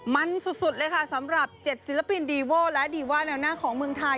มันสุดเลยค่ะสำหรับ๗ศิลปินดีโว้และดีว่าแนวหน้าของเมืองไทย